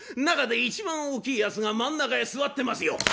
中で一番大きいやつが真ん中へ座ってますよ。